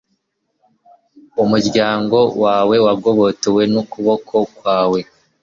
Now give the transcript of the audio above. Umuryango wawe wagobotowe n’ukuboko kwawe